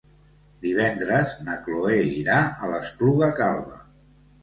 Divendres na Chloé irà a l'Espluga Calba.